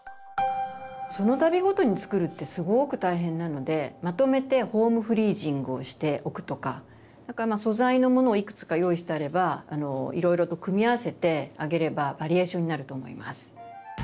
そのたびごとに作るってすごく大変なのでまとめてホームフリージングをしておくとか素材のものをいくつか用意してあればいろいろと組み合わせてあげればバリエーションになると思います。